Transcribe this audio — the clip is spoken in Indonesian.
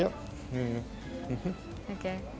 oke harus kita beli